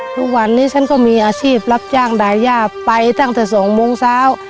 ทุกวันนี้ฉันก็มีอาชีพรับจ้างดาย่าไปตั้งแต่๒โมงเช้า